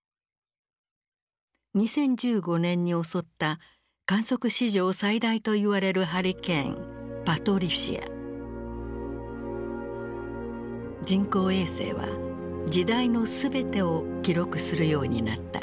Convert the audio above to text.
２０１５年に襲った観測史上最大といわれる人工衛星は時代の全てを記録するようになった。